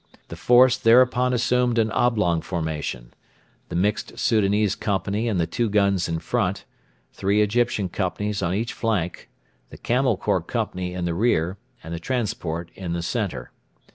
The force thereupon assumed an oblong formation: the mixed Soudanese company and the two guns in front, three Egyptian companies on each flank, the Camel Corps company in the rear, and the transport in the centre.